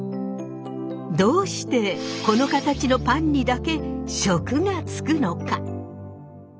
どうしてこの形のパンにだけ食がつくのか？